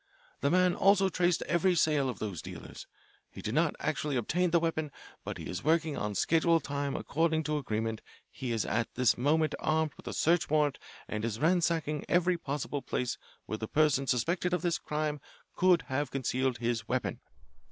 The man also traced every sale of those dealers. He did not actually obtain the weapon, but if he is working on schedule time according to agreement he is at this moment armed with a search warrant and is ransacking every possible place where the person suspected of this crime could have concealed his weapon.